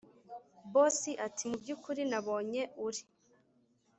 boss ati” mubyukuri nabonye uri